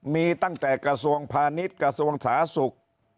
มีตั้งแต่กระทรวงพาณิชย์กระทรวงสาธารณสุข